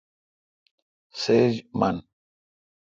سیج من۔